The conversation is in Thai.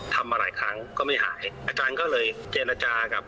ทำมาหลายครั้งก็ไม่หายอาจารย์ก็เลยเจนอาจารย์ครับ